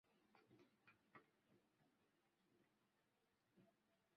Wakalenjin hasa kutokana na uhamiaji na wote kuwa na mila za wafugaji